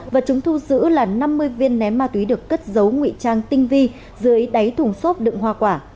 vật chúng thu giữ là năm mươi viên ném ma túy được cất giấu nguy trang tinh vi dưới đáy thùng xốp đựng hoa quả